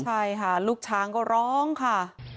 ใช่ค่ะลูกช้างก็ร้องค่ะ